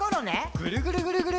ぐるぐるぐるぐる。